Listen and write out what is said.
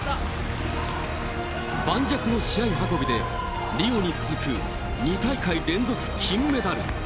盤石の試合運びで、リオに続く２大会連続金メダル。